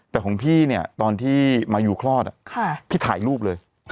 แต่ของพี่เนี่ยตอนที่มายูคลอดพี่ถ่ายรูปเลย